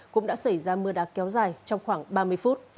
cũng đã xảy ra mưa đá kéo dài trong khoảng ba mươi phút